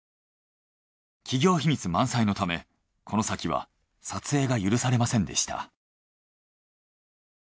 企業秘密満載のためこの先は撮影が許されませんでした。